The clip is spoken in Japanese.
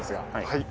「はい」